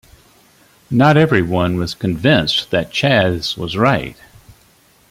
Not everyone was convinced that Chas was right.